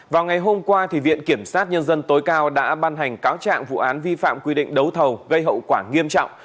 vào ngày hôm qua viện kiểm sát nhân dân tối cao đã ban hành cáo trạng vụ án vi phạm quy định đấu thầu gây hậu quả nghiêm trọng